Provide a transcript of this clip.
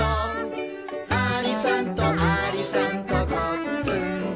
「ありさんとありさんとこっつんこ」